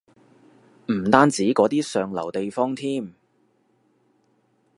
唔單止嗰啲上流地方添